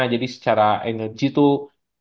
jadi secara energi tuh